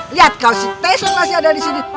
lihat kau si tesel masih ada di sini